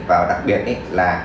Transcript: và đặc biệt là